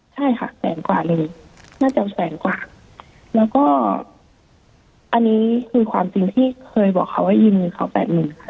ใช่ค่ะแสนกว่าเลยน่าจะแสนกว่าแล้วก็อันนี้คือความจริงที่เคยบอกเขาว่ายืมเงินเขาแปดหมื่นค่ะ